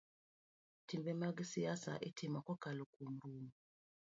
Timbe mag siasa itimo kokalo kuom romo